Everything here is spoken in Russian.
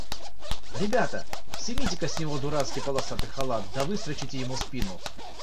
Ребята! сымите-ка с него дурацкий полосатый халат, да выстрочите ему спину.